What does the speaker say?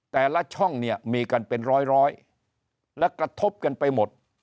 แต่ละช่องเนี่ยมีกันเป็นร้อยและกระทบกันไปหมด